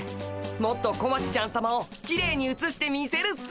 もっと小町ちゃんさまをきれいにうつしてみせるっす。